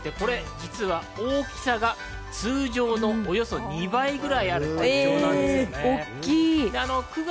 実は大きさが通常のおよそ２倍くらいあるんですね。